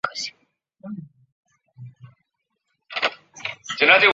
其他三颗星光谱的相对亮度也已经从日食和轨道运动计算出来。